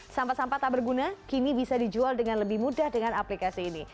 sampah sampah tak berguna kini bisa dijual dengan lebih mudah dengan aplikasi ini